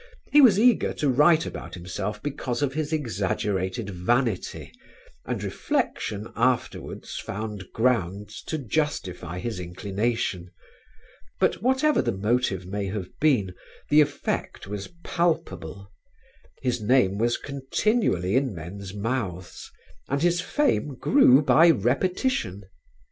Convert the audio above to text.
He was eager to write about himself because of his exaggerated vanity and reflection afterwards found grounds to justify his inclination. But whatever the motive may have been the effect was palpable: his name was continually in men's mouths, and his fame grew by repetition.